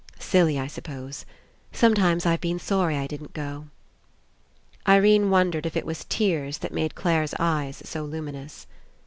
Silly, I suppose. Sometimes I've been sorry I didn't go." Irene wondered if it was tears that made Clare's eyes so luminous.